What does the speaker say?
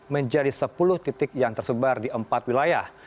menjadi sepuluh titik yang tersebar di empat wilayah